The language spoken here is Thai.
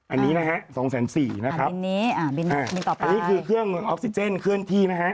อันนี้นะฮะ๒แสน๔นะครับอันนี้คือเครื่องออกซิเจนเครื่องที่นะฮะ